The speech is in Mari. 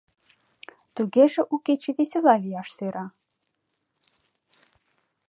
Тугеже у кече весела лияш сӧра.